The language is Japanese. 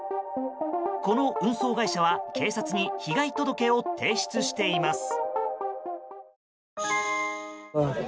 この運送会社は警察に被害届を提出しています。